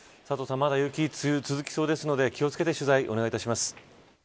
まだ雪が続きそうですので気を付けて取材お願いします。